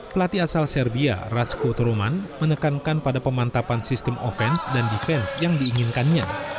pelatih asal serbia ratsku toroman menekankan pada pemantapan sistem offense dan defense yang diinginkannya